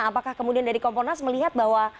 apakah kemudian dari komponas melihat bahwa